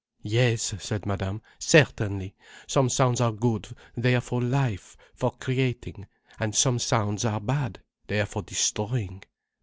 "Yes," said Madame. "Certainly. Some sounds are good, they are for life, for creating, and some sounds are bad, they are for destroying.